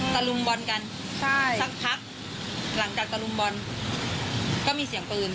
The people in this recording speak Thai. ลุมบอลกันใช่สักพักหลังจากตะลุมบอลก็มีเสียงปืน